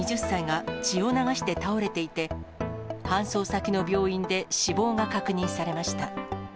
２０歳が血を流して倒れていて、搬送先の病院で死亡が確認されました。